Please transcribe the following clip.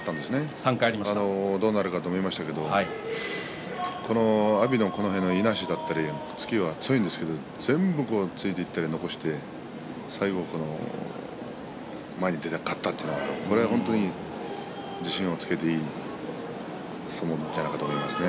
どうなることかと思いましたが阿炎のいなしや突きは強いんですが全部ついていったり残したり最後前に出て勝ったというのは自信をつけていい相撲じゃないかと思いますね。